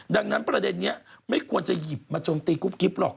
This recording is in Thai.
ดังนั้นประเด็นนี้ไม่ควรจะหยิบมาโจมตีกุ๊บกิ๊บหรอก